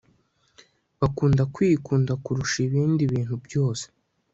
bakunda kwikunda kurusha ibindi bintu byose